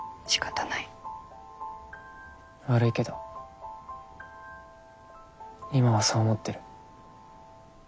悪いけど今はそう思ってる。